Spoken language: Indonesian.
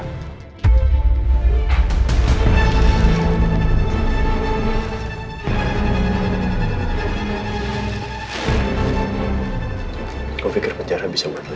kau pikir penjara bisa berubah